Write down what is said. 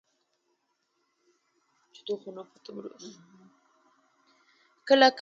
کله کله خو به يارانو پر تشو لاسونو ونيول.